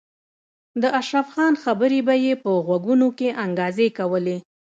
د اشرف خان خبرې به یې په غوږونو کې انګازې کولې